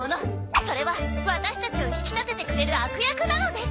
それはワタシたちを引き立ててくれる悪役なのです！